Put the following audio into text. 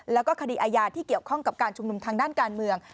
แล้วก็คดีอาญาที่เกี่ยวข้องกับการชุมนุมทางด้านการเมือง